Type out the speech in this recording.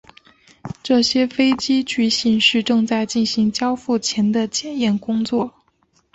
这些飞机据信是正在进行交付前的检验工作。